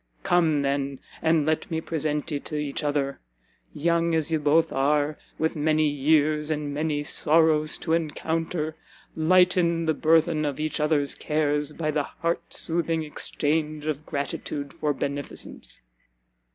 Come, then, and let me present ye to each other! young as ye both are, with many years and many sorrows to encounter, lighten the burthen of each other's cares, by the heart soothing exchange of gratitude for beneficence!"